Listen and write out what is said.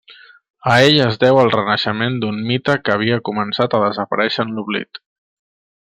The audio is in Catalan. A ell es deu el renaixement d'un mite que havia començat a desaparèixer en l'oblit.